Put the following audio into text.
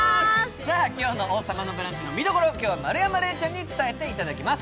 今日の「王様のブランチ」の見どころを丸山礼ちゃんに伝えてもらいます。